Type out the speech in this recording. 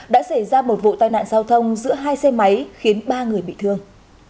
đã xảy ra một vụ tai nạn giao thông giữa hai xe máy khiến ba người bị thương